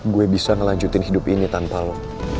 gue bisa ngelanjutin hidup ini tanpa lo